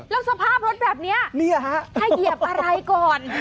แล้วสภาพรถแบบนี้ถ้าเหยียบอะไรก่อน